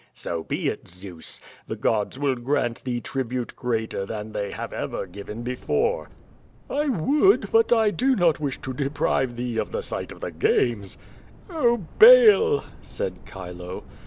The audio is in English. "So be it, Zeus. The gods will grant thee tribute greater than they have ever given before." "I would, but I do not wish to deprive thee of the sight of the games." "Oh, Baal!" said Chilo.